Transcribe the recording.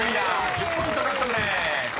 １０ポイント獲得です］